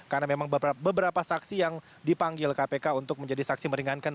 karena memang beberapa saksi yang dipanggil kpk untuk menjadi saksi meringankan